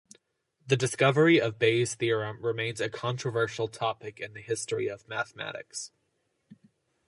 The discovery of Bayes' theorem remains a controversial topic in the history of mathematics.